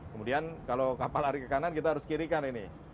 kemudian kalau kapal lari ke kanan kita harus kiri kan ini